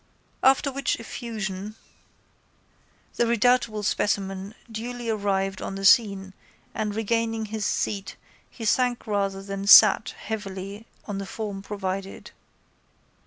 After which effusion the redoubtable specimen duly arrived on the scene and regaining his seat he sank rather than sat heavily on the form provided.